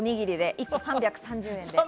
１個３３０円です。